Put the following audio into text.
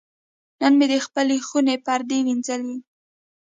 نن مې د خپلې خونې پردې وینځلې.